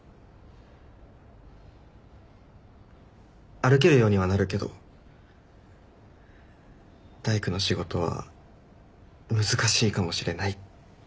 歩けるようにはなるけど大工の仕事は難しいかもしれないって言ってた。